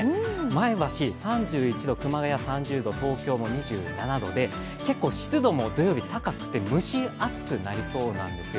前橋３１度、熊谷３０度、東京も２７度で、結構湿度も土曜日、高くて蒸し暑くなりそうなんですよ。